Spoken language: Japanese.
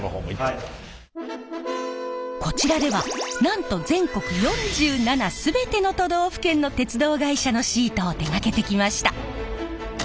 こちらではなんと全国４７全ての都道府県の鉄道会社のシートを手がけてきました。